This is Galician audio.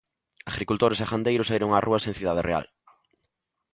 Agricultores e gandeiros saíron ás rúas en Cidade Real.